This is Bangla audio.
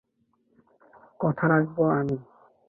কথা রাখব আমি।